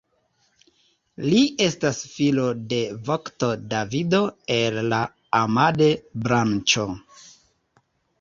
Li estas filo de vokto Davido el la Amade-branĉo.